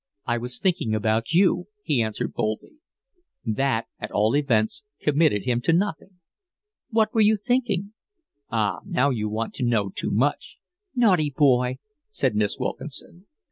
"I was thinking about you," he answered boldly. That at all events committed him to nothing. "What were you thinking?" "Ah, now you want to know too much." "Naughty boy!" said Miss Wilkinson.